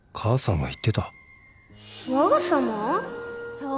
そう。